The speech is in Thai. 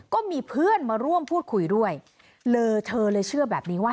ก็มีเพื่อนมาร่วมพูดคุยด้วยเลยเธอเลยเชื่อแบบนี้ว่า